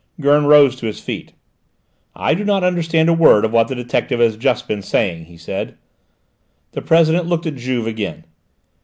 Gurn rose to his feet. "I do not understand a word of what the detective has just been saying," he said. The President looked at Juve again.